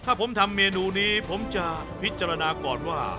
ถ้าผมทำเมนูนี้ผมจะพิจารณาก่อนว่า